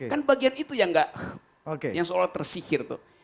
kan bagian itu yang seolah tersihir tuh